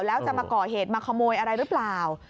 แล้วจะมาก่อเหตุมาขโมยอะไรหรือเปล่า